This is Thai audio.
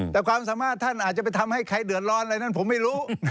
แต่ความสามารถท่านอาจจะไปทำให้ใครเดือดร้อนอะไรนั้นผมไม่รู้